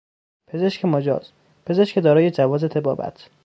پزشک مجاز، پزشک دارای جواز طبابت